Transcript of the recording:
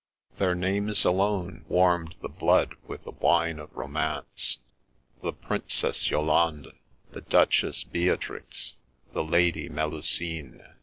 Their names alone warmed the blood with the wine of romance : the Princess Yolande ; the Duchess Beatrix ; the Lady Melusine.